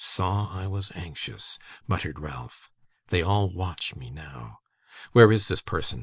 'Saw I was anxious!' muttered Ralph; 'they all watch me, now. Where is this person?